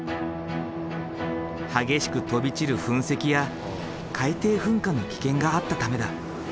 激しく飛び散る噴石や海底噴火の危険があったためだ。